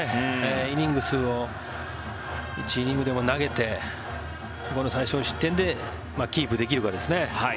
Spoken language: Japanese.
イニング数を１イニングでも投げて最少失点でキープできるかですね。